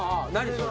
それ。